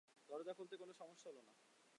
দরজা খুলতে কোনো সমস্যা হল না।